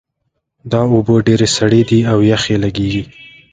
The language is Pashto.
دا اوبه ډېرې سړې دي او یخې لګیږي